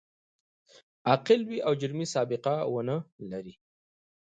عاقل وي او جرمي سابقه و نه لري.